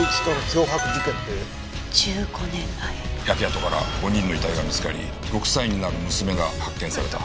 焼け跡から５人の遺体が見つかり６歳になる娘が発見された。